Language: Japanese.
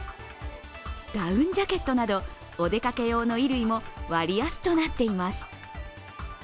ダウンジャケットなどお出かけようの衣類も割安となっています。